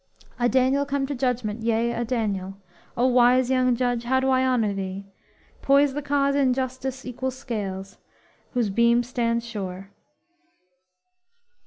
"A Daniel come to judgment; yea, a Daniel! O wise young judge, how I do honor thee!" _Poise the cause in justice' equal scales, Whose beam stands sure?